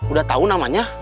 udah tau namanya